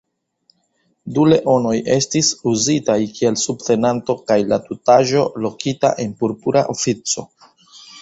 Du leonoj estis uzitaj kiel subtenanto kaj la tutaĵo lokita en purpura ofico.